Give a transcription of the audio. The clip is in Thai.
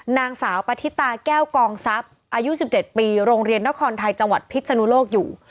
นางสาวปฏิตาแก้วกองทรัพย์อายุ๑๗ปีโรงเรียนนครไทยจังหวัดพิษนุโลกอยู่